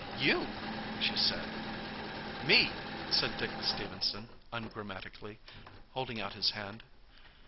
"You!" she said. "Me!" said Dick Stephenson ungrammatically, holding out his hand.